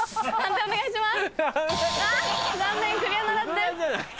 判定お願いします。